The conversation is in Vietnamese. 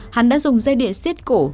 hắn đã dùng dây điện xiết cổ